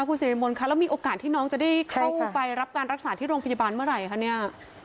คุณสิริมนต์คะแล้วมีโอกาสที่น้องจะได้เข้าไปรับการรักษาที่โรงพยาบาลเมื่อไหร่คะเนี่ย